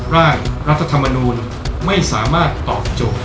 ร่างรัฐธรรมนูลไม่สามารถตอบโจทย์